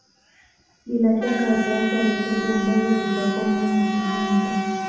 Bila shaka ataacha rekodi ambazo zitakuwa ngumu kuvunjwa